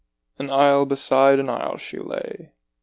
An isle beside an isle she lay.